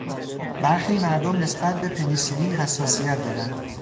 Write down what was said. برخی مردم نسبت به پنی سیلین حساسیت دارند.